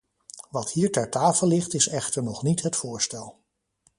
Wat hier ter tafel ligt is echter nog niet het voorstel.